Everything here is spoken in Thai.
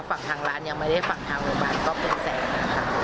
ฝั่งทางร้านยังไม่ได้ฟังทางโรงพยาบาลก็เป็นแสนนะคะ